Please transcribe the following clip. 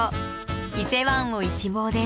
伊勢湾を一望です。